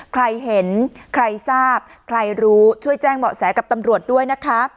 ใครเห็นใครทราบใครรู้ช่วยแจ้งเบาะแสกับตำรวจด้วยนะคะ